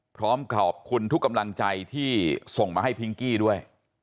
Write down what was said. พร้อมขอบคุณทุกกำลังใจที่ส่งมาให้พิงกี้ด้วย